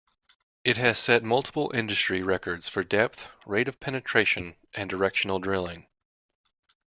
It has set multiple industry records for depth, rate of penetration and directional drilling.